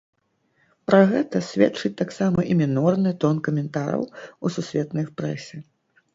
Пра гэта сведчыць таксама і мінорны тон каментараў у сусветнай прэсе.